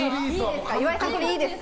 岩井さん、いいですか？